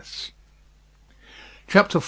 CHAPTER IV.